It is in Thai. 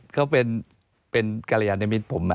เขาเป็นกรยานิมิตรผม